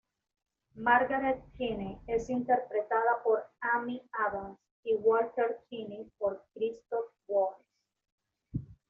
Margaret Keane es interpretada por Amy Adams y Walter Keane por Christoph Waltz.